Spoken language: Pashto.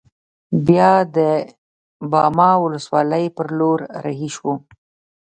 بیا د باما ولسوالۍ پر لور رهي شوو.